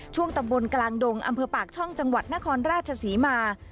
ช่วงตำบลกลางดงอำเภอปากช่องจังหวัดนครราชศรีมา